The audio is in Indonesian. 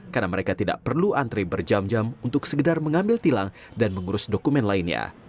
karena mereka tidak perlu antri berjam jam untuk segedar mengambil tilang dan mengurus dokumen lainnya